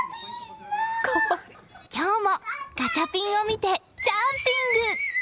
今日もガチャピンを見てジャンピング！